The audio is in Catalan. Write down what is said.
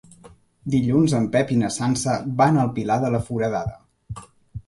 Dilluns en Pep i na Sança van al Pilar de la Foradada.